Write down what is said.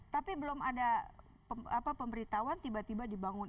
tapi belum ada pemberitahuan tiba tiba dibangun